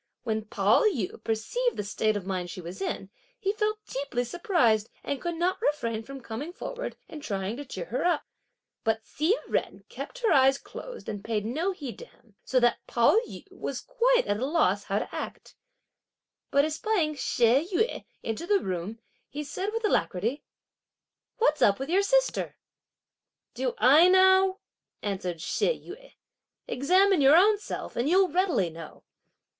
When Pao yü perceived the state of mind she was in, he felt deeply surprised and could not refrain from coming forward and trying to cheer her up. But Hsi Jen kept her eyes closed and paid no heed to him, so that Pao yü was quite at a loss how to act. But espying She Yüeh enter the room, he said with alacrity: "What's up with your sister?" "Do I know?" answered She Yüeh, "examine your own self and you'll readily know!"